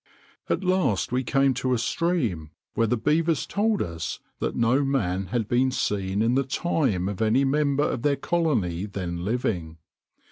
At last we came to a stream where the beavers told us that no man had been seen in the time of any member of their colony then living.